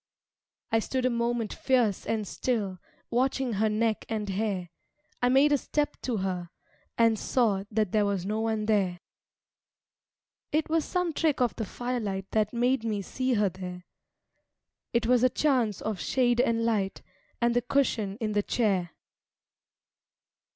I stood a moment fierce and still, Watching her neck and hair. I made a step to her; and saw That there was no one there. It was some trick of the firelight That made me see her there. It was a chance of shade and light And the cushion in the chair.